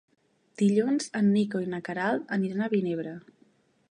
Dilluns en Nico i na Queralt aniran a Vinebre.